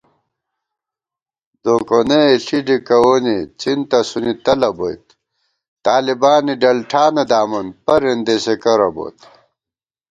دوکونَےݪی ڈِکَوونےڅِن تسُونی تلَہ بوئیت * طالِبےڈلٹھانہ دامُس پر اېندېسےکرہ بوت